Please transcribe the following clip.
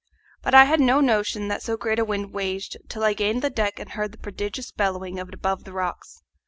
But I had no notion that so great a wind raged till I gained the deck and heard the prodigious bellowing of it above the rocks.